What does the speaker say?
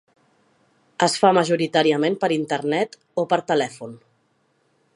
Es fa majoritàriament per Internet o per telèfon.